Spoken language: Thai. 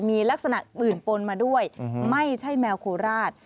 มีลักษณะอื่นปนมาด้วยไม่ใช่แมวโคราช